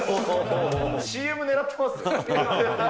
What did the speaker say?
ＣＭ狙ってます？